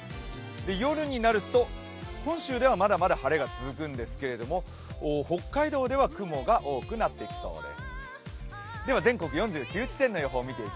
夜になると、本州ではまだまだ晴れが続くんですけれども、北海道では雲が多くなってきそうです。